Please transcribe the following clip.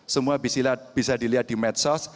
semua bisa dilihat di medsos